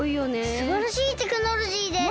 すばらしいテクノロジーです！